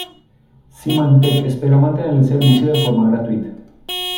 Symantec espera mantener el servicio de forma gratuita.